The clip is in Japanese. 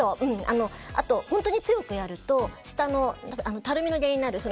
あと、本当に強くやるとたるみの原因になる。